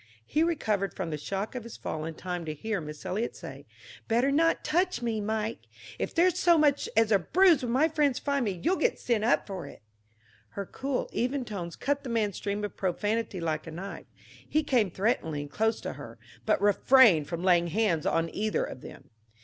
He recovered from the shock of his fall in time to hear Miss Eliot say: "Better not touch me, Mike; if there's so much as a bruise when my friends find me, you'll get sent up for it." Her cool, even tones cut the man's stream of profanity like a knife. He came threateningly close to her, but refrained from laying hands on either of them.